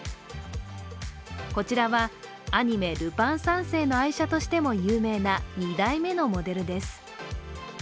こちらはアニメ「ルパン三世」の愛車としても有名な、２代目のモデルです。